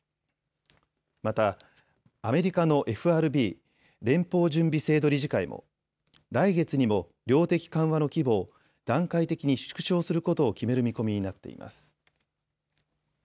またアメリカのＦＲＢ・連邦準備制度理事会も来月にも量的緩和の規模を段階的に縮小することを決める見込みになっています。